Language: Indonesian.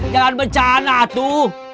jangan bencana tuh